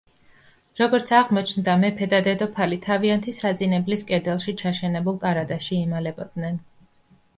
როგორც აღმოჩნდა, მეფე და დედოფალი თავიანთი საძინებლის კედელში ჩაშენებულ კარადაში იმალებოდნენ.